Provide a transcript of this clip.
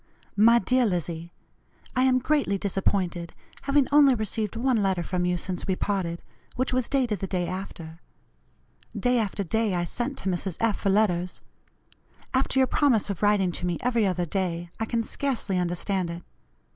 "MY DEAR LIZZIE: I am greatly disappointed, having only received one letter from you since we parted, which was dated the day after. Day after day I sent to Mrs. F. for letters. After your promise of writing to me every other day, I can scarcely understand it.